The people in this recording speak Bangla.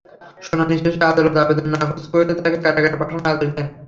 শুনানি শেষে আদালত আবেদন নাকচ করে তাঁকে কারাগারে পাঠানোর আদেশ দেন।